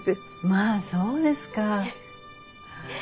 まあそうですか。